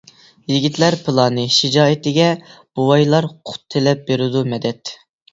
يىگىتلەر پىلانى، شىجائىتىگە، بوۋايلار قۇت تىلەپ بېرىدۇ مەدەت.